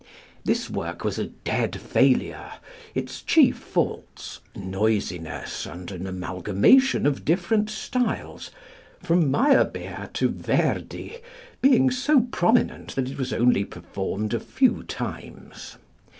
This work was a dead failure, its chief faults noisiness and an amalgamation of different styles, from Meyerbeer to Verdi being so prominent that it was only performed a few times.